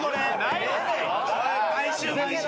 毎週毎週。